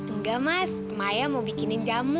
enggak mas maya mau bikinin jamu